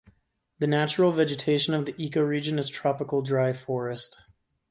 The natural vegetation of the ecoregion is tropical dry forest.